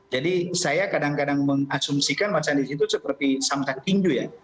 jadi saya kadang kadang mengasumsikan mas anies itu seperti samsak tinju ya